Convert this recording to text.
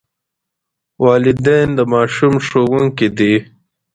والدین د ماشوم ښوونکي دي.